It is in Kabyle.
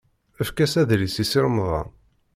Efk-as adlis-a i Si Remḍan.